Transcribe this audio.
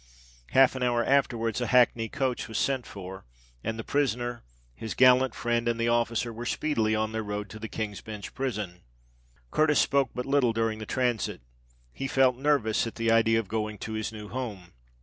Half an hour afterwards a hackney coach was sent for; and the prisoner, his gallant friend, and the officer were speedily on their road to the King's Bench prison. Curtis spoke but little during the transit: he felt nervous at the idea of going to his new home.